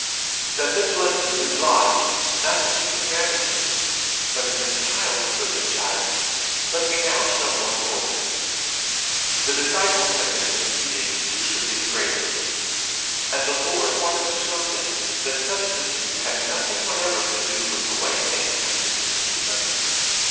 That this lesson did lie, not in the humanity, but in the childhood of the child, let me now show more fully. The disciples had been disputing who should be the greatest, and the Lord wanted to show them that such a dispute had nothing whatever to do with the way things went in his kingdom.